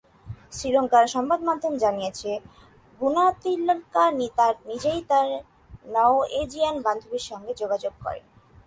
শ্রীলঙ্কার সংবাদমাধ্যম জানিয়েছে, গুনাতিলকা নিজেই তাঁর নরওয়েজিয়ান বান্ধবীর সঙ্গে যোগাযোগ করেন।